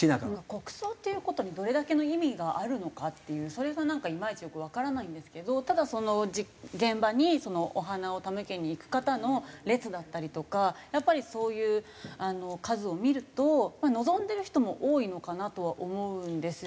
国葬っていう事にどれだけの意味があるのかっていうそれがなんかいまいちよくわからないんですけどただ現場にお花を手向けにいく方の列だったりとかやっぱりそういう数を見ると望んでる人も多いのかなとは思うんですよね。